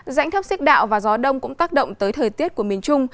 dãnh thấp xích đạo và gió đông cũng tác động tới thời tiết của miền trung